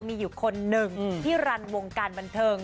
มีอยู่คนหนึ่งพี่รันวงการบันเทิง